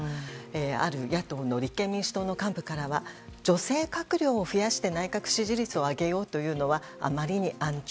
ある野党の立憲民主党の幹部からは女性閣僚を増やして内閣支持率を上げようというのはあまりに安直。